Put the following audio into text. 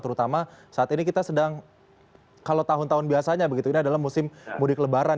terutama saat ini kita sedang kalau tahun tahun biasanya begitu ini adalah musim mudik lebaran